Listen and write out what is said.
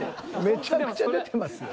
めちゃくちゃ出てますよ。